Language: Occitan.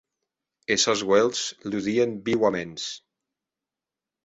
Es sòns uelhs ludien viuaments.